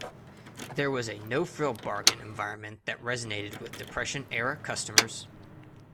There was a no frill bargain environment that resonated with depression era customers.